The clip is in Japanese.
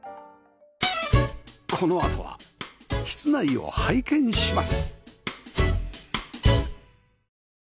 このあとは室内を拝見します